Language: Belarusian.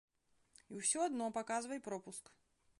І ўсё адно паказвай пропуск.